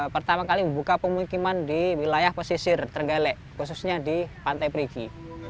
pertama kali membuka pemikiman di wilayah pesisir tregale khususnya di pantai prigi